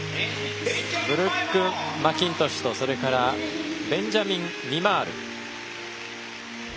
ブルック・マキントシュとそれからベンジャミン・ミマール。